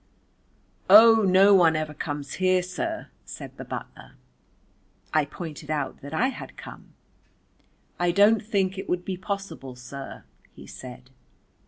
"O, no one ever comes here, sir," said the butler. I pointed out that I had come. "I don't think it would be possible, sir," he said.